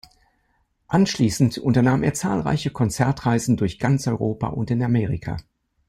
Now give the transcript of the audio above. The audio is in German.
Anschließend unternahm er zahlreiche Konzertreisen durch ganz Europa und in Amerika.